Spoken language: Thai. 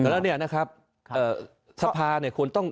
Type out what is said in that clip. แล้วเนี่ยนะครับสภาเนี่ย